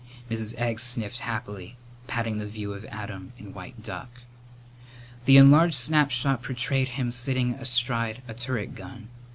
Mrs. Egg sniffled happily, patting the view of Adam in white duck. The enlarged snapshot portrayed him sitting astride a turret gun.